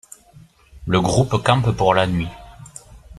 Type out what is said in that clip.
Le groupe campe pour la nuit.